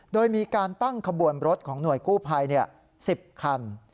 โดยมีการตั้งขบวนรถของหน่วยกู้ภัย๑๐คัน